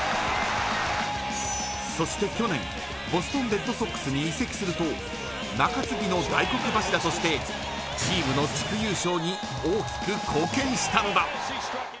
そして去年ボストン・レッドソックスに移籍すると中継ぎの大黒柱としてチームの地区優勝に大きく貢献したのだ。